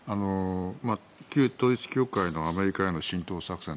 旧統一教会のアメリカへの浸透作戦